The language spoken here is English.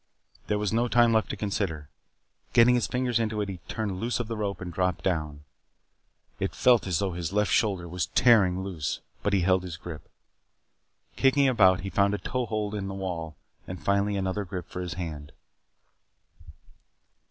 There was no time left to consider. Getting his fingers into it he turned loose of the rope and dropped down. It felt as though his left shoulder was tearing loose, but he held his grip. Kicking about he found a toe hold in the wall and finally another grip for his hand.